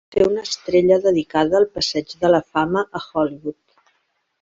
Té una estrella dedicada al Passeig de la Fama a Hollywood.